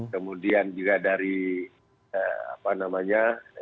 kemudian juga dari apa namanya